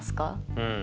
うん。